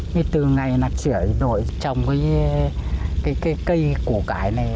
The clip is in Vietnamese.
nhưng từ ngày là chuyển đổi trồng cái cây củ cải này